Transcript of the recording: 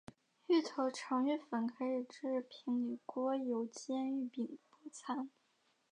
芋头成芋粉可以制平底锅油煎芋饼薄餐。